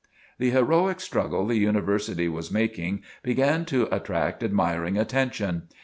The heroic struggle the University was making, began to attract admiring attention.